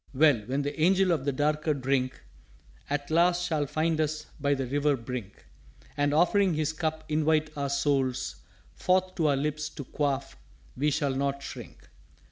"_Well, when the Angel of the darker drink At last shall find us by the river brink And offering his Cup invite our souls Forth to our lips to quaff, we shall not shrink.